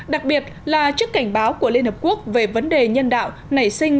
đặc biệt là trước cảnh báo của liên hợp quốc về vấn đề nhân đạo nảy sinh